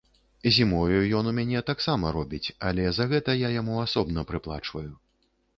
Зімою ён у мяне таксама робіць, але за гэта я яму асобна прыплачваю.